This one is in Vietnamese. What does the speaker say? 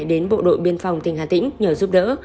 đến bộ đội biên phòng tỉnh hà tĩnh nhờ giúp đỡ